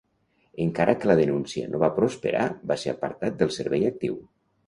Encara que la denúncia no va prosperar, va ser apartat del servei actiu.